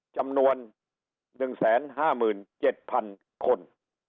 จำนวน๑๕๗๐๐คน